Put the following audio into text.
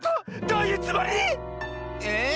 ⁉どういうつもり⁉えっ？